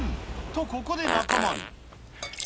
とここで中丸。